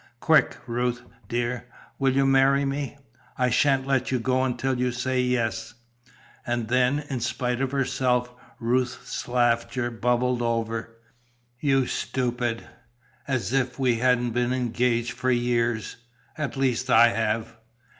Quick, Ruth, dear, will you marry me? I sha'n't let you go until you say yes." And then, in spite of herself, Ruth's laughter bubbled over. "You stupid! As if we hadn't been engaged for years! At least I have."